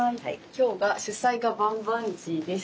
今日が主菜がバンバンジーです。